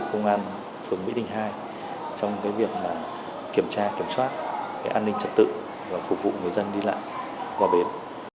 công an phường mỹ đình hai trong việc kiểm tra kiểm soát an ninh trật tự và phục vụ người dân đi lại qua bến